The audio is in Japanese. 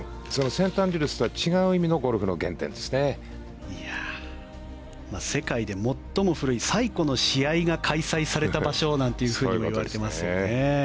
セントアンドリュースとは違う意味の世界で最も古い最古の試合が開催された場所なんていうふうにも言われていますね。